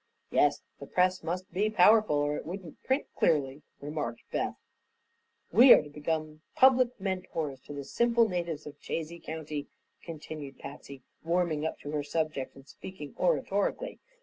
"Yes, the press must be powerful or it wouldn't print clearly," remarked Beth. "We are to become public mentors to the simple natives of Chazy County," continued Patsy, warming up to her subject and speaking oratorically.